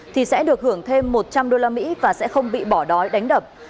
thì sẽ được hưởng thêm một trăm linh usd và sẽ không bị bỏ đói đánh đập